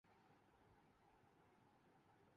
اس میں کچھ جان تو ہے۔